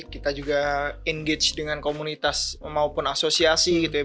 kita juga engage dengan komunitas maupun asosiasi gitu ya